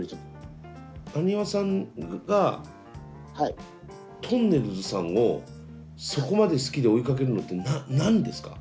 ハニワさんがとんねるずさんをそこまで好きで追いかけるのって何ですか？